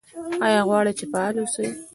ایا غواړئ چې فعال اوسئ؟